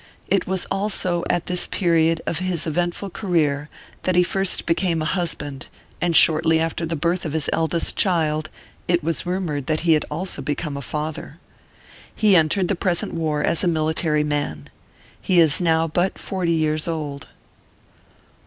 It was also at this period of his eventful career that he first be came a husband, and shortly after the birth of his eldest child, it was rumored that he had also become a father. He entered the present war as a military man. He is now but forty years old.